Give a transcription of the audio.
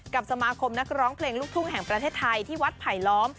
กับสมาคมนักร้องเพลงลูกทุ่งแห่งประเทศไทยที่วัดไผลล้อม